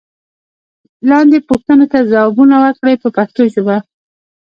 لاندې پوښتنو ته ځوابونه ورکړئ په پښتو ژبه.